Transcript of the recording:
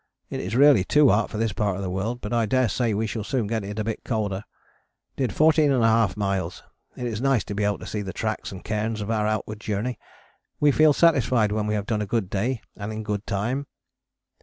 It is really too hot for this part of the world, but I daresay we shall soon get it a bit colder. Did 14½ miles, it is nice to be able to see the tracks and cairns of our outward journey. We feel satisfied when we have done a good day and in good time.